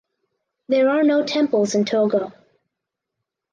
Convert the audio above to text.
There are no temples in Togo.